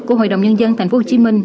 của hội đồng nhân dân thành phố hồ chí minh